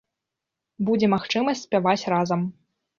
Будзе магчымасць спяваць разам!